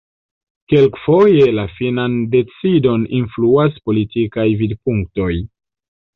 Kelkfoje la finan decidon influas politikaj vidpunktoj.